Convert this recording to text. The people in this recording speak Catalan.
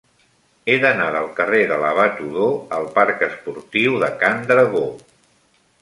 He d'anar del carrer de l'Abat Odó al parc Esportiu de Can Dragó.